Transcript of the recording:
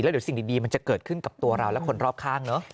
เดี๋ยวสิ่งดีมันจะเกิดขึ้นกับตัวเราและคนรอบข้างเนอะ